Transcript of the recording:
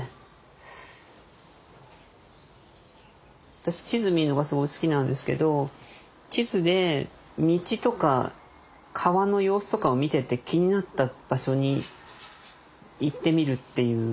私地図見るのがすごい好きなんですけど地図で道とか川の様子とかを見てて気になった場所に行ってみるっていう。